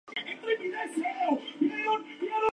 Está prologado por el psiquiatra Juan Antonio Vallejo-Nágera.